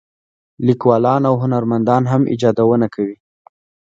لیکوالان او هنرمندان هم ایجادونه کوي.